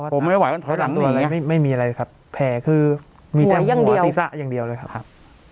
ผมไม่ไหวถอยหลังหน่อยไม่มีอะไรครับแผลคือมีแค่หัวศีรษะอย่างเดียวเลยครับ